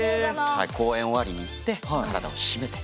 公演終わりに行って体を締めて。